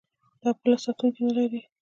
دا پوله ساتونکي نلري.